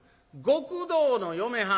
「極道の嫁はん。